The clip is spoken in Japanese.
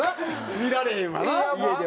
見られへんわな家ではね。